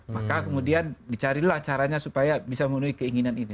maka kemudian dicarilah caranya supaya bisa memenuhi keinginan ini